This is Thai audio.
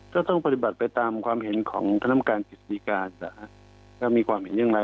ก็ต้องปฏิบัติไปตามความเห็นของคณะกรรมการกิจการว่ามีความเห็นอย่างไร